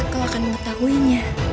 kau akan mengetahuinya